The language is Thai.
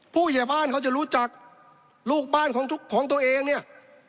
ผู้ใหญ่บ้านเขาจะรู้จักลูกบ้านของทุกของตัวเองเนี่ย